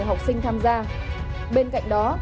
học sinh tham gia bên cạnh đó